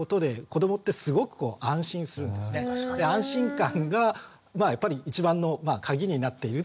安心感がまあやっぱり一番のカギになっているっていう。